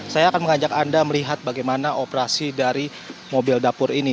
saya akan mengajak anda melihat bagaimana operasi dari mobil dapur ini